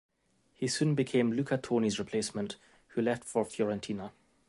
He soon became Luca Toni's replacement, who left for Fiorentina.